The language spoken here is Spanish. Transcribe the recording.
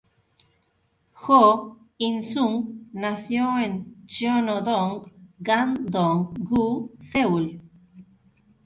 Jo In-sung nació en Cheonho-dong, Gangdong-gu, Seúl.